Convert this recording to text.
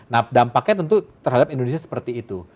nah dampaknya tentu terhadap indonesia seperti itu